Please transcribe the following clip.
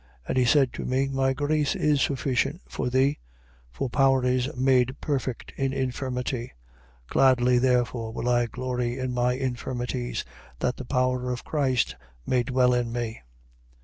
And he said to me: My grace is sufficient for thee: for power is made perfect in infirmity. Gladly therefore will I glory in my infirmities, that the power of Christ may dwell in me.